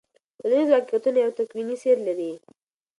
ټولنیز واقعیتونه یو تکویني سیر لري.